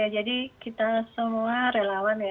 jadi kita semua relawan ya